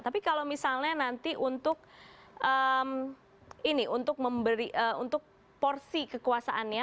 tapi kalau misalnya nanti untuk ini untuk memberi untuk porsi kekuasaannya